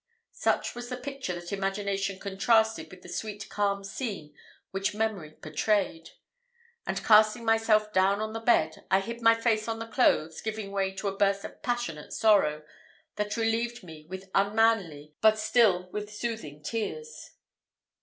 Such was the picture that imagination contrasted with the sweet calm scene which memory portrayed; and casting myself down on the bed, I hid my face on the clothes, giving way to a burst of passionate sorrow, that relieved me with unmanly but still with soothing tears.